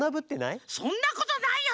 そんなことないよ！